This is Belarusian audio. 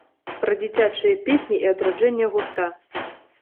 Пра дзіцячыя песні і адраджэнне гурта.